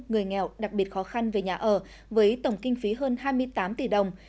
người nghèo đặc biệt khó khăn về nhà ở với tổng kinh phí hơn hai mươi tám tỷ đồng